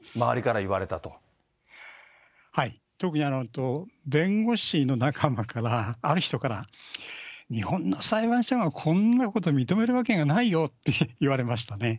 特に弁護士の仲間から、ある人から、日本の裁判所がこんなこと認めるわけがないよって言われましたね。